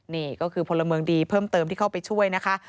นี่ก็คือพลเมืองดีเพิ่มเติมที่เข้าไปช่วยนะคะ